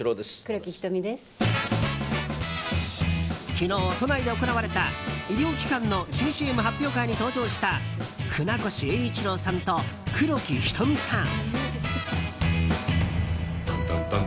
昨日、都内で行われた医療機関の新ＣＭ発表会に登場した船越英一郎さんと黒木瞳さん。